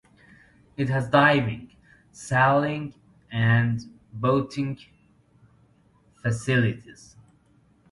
It has diving, sailing and boating facilities.